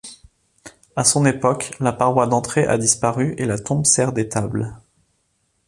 À son époque la paroi d'entrée a disparu et la tombe sert d'étable.